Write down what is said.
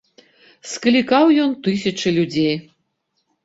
Склікаў ён тысячы людзей.